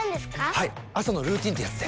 はい朝のルーティンってやつで。